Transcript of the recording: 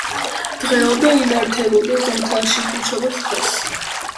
დღეობა იმართებოდა ზამთარში, ხუთშაბათ დღეს.